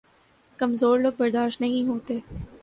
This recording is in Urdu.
کمزور لوگ برداشت نہیں ہوتے